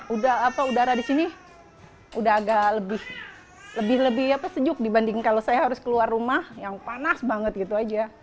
udah apa udara di sini udah agak lebih sejuk dibanding kalau saya harus keluar rumah yang panas banget gitu aja